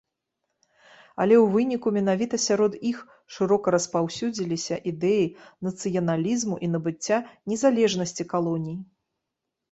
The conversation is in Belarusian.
Але ў выніку менавіта сярод іх шырока распаўсюдзіліся ідэі нацыяналізму і набыцця незалежнасці калоній.